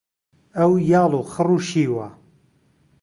ئەو یاڵ و خڕ و شیوە